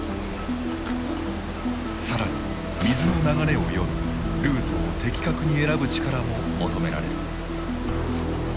更に水の流れを読みルートを的確に選ぶ力も求められる。